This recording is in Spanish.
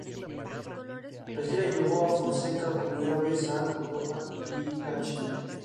La gira llevó a Fonseca por primera vez a Europa y a China.